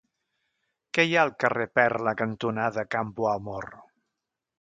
Què hi ha al carrer Perla cantonada Campoamor?